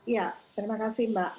ya terima kasih mbak